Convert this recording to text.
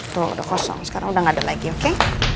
tuh udah kosong sekarang udah gak ada lagi oke